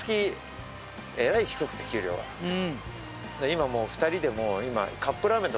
今もう２人でもう今。